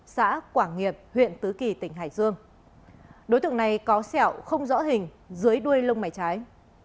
xã quảng nghiệp huyện tứ kỳ tỉnh hải dương đối tượng này có sẹo không rõ hình dưới đuôi lông mày trái